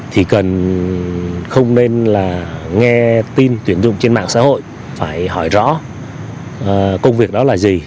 thì không nên là nghe tin tuyển dụng trên mạng xã hội phải hỏi rõ công việc đó là gì